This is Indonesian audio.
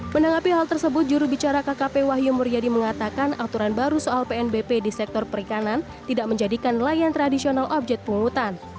menanggapi hal tersebut jurubicara kkp wahyu muryadi mengatakan aturan baru soal pnbp di sektor perikanan tidak menjadikan nelayan tradisional objek pungutan